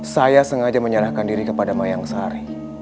saya sengaja menyerahkan diri kepada mayang sari